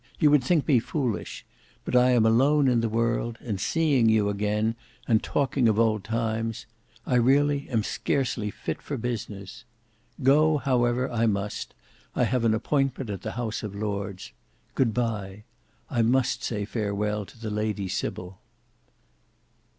You would think me foolish; but I am alone in the world, and seeing you again, and talking of old times—I really am scarcely fit for business. Go, however, I must; I have an appointment at the House of Lords. Good bye. I must say farewell to the Lady Sybil."